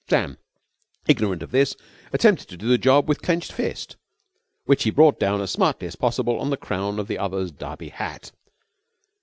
Sam, ignorant of this, attempted to do the job with clenched fist, which he brought down as smartly as possible on the crown of the other's Derby hat.